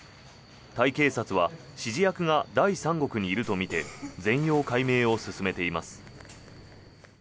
タイ警察は指示役が第三国にいるとみて全容解明を進めています。